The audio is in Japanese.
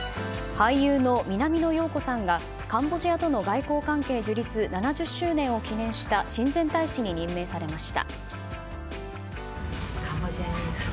俳優の南野陽子さんが外交関係樹立７０周年を記念した親善大使に任命されました。